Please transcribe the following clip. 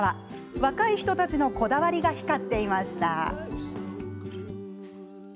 若い人たちのこだわりが光っていました。